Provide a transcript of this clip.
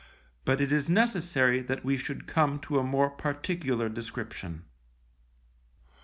But it is necessary that we should come to a more particular description.